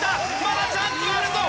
まだチャンスはあるぞ。